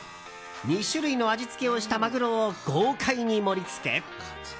２種類の味付けをしたマグロを豪快に盛り付け。